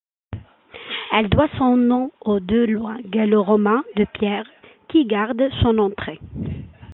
Elle doit son nom aux deux lions gallo-romains de pierre qui gardent son entrée.